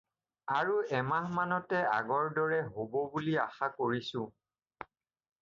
আৰু এমাহমানতে আগৰ দৰে হ'ব বুলি আশা কৰিছোঁ।